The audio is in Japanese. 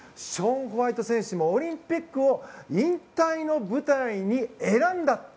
ショーン・ホワイト選手もオリンピックを引退の舞台に選んだ。